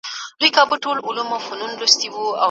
په آسټرالیا کې د مور او ماشوم مرکزونه مهم دي.